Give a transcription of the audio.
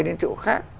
đến chỗ khác